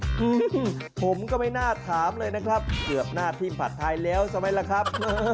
อืมผมก็ไม่น่าถามเลยนะครับเกือบหน้าที่ผัดไทยแล้วใช่ไหมล่ะครับ